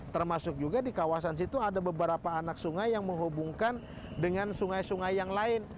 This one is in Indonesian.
termasuk juga di kawasan situ ada beberapa anak sungai yang menghubungkan dengan sungai sungai yang lain